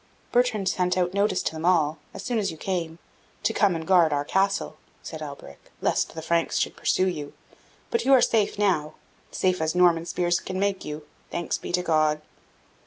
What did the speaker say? "Bertrand sent out notice to them all, as soon as you came, to come and guard our Castle," said Alberic, "lest the Franks should pursue you; but you are safe now safe as Norman spears can make you thanks be to God!"